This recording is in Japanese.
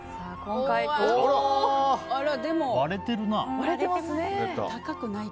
割れてるな。